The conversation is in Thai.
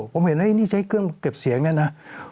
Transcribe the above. ผมเห็นนี่ใช้เครื่องเก็บเสียงเนี่ยนะ